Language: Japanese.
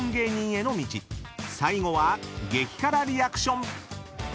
［最後は激辛リアクション］